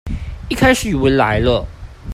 一開始以為來了